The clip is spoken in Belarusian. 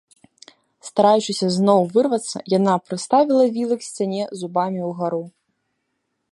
Стараючыся зноў вырвацца, яна прыставіла вілы к сцяне зубамі ўгару.